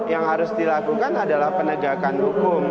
yang harus dilakukan adalah penegakan hukum